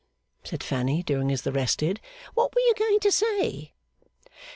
said Fanny, doing as the rest did; 'what were you going to say?